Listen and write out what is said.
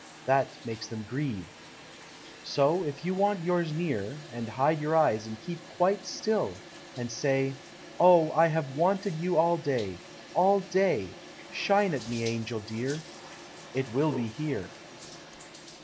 That makes them grieve. So, if you want Yours near, And hide your eyes and keep quite still; and say, "Oh, I have Wanted you all day all day; Shine at me, Angel, dear!" It will be Here.